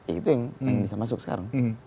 itu yang bisa masuk sekarang